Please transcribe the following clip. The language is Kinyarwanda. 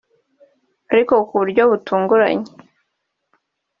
Ariko ku buryo butunguranye